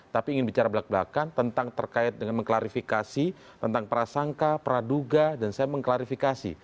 tapi ingin bicara belak belakan tentang terkait dengan mengklarifikasi tentang prasangka praduga dan saya mengklarifikasi